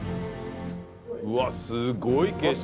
うわっすごい景色！